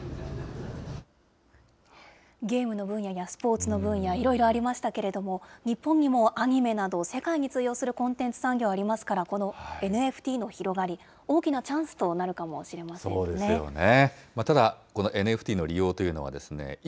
ゲームの分野やスポーツの分野、いろいろありましたけれども、日本にもアニメなど、世界に通用するコンテンツ産業ありますから、このＮＦＴの広がり、大きなチャンスとなるかもしれませんね。